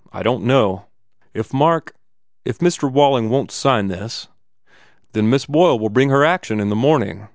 I don t know." "If Mark if Mr. Walling won t sign this?" "Then Miss Boyle ll bring her action in the morning.